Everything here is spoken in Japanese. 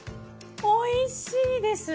おいしいです！